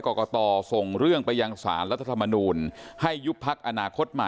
ก็ต้องรอลุ้น